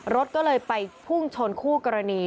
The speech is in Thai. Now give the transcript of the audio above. รถก็เลยไปพุ่งชนคู่กรณี